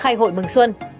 khai hội mừng xuân